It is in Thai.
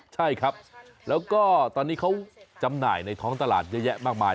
ใช่ครับแล้วก็ตอนนี้เขาจำหน่ายในท้องตลาดเยอะแยะมากมาย